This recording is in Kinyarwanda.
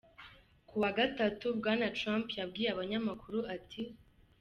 Ku wa gatatu, Bwana Trump yabwiye abanyamakuru ati:.